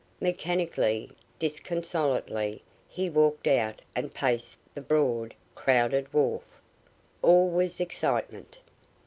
Mechanically, disconsolately he walked out and paced the broad, crowded wharf. All was excitement.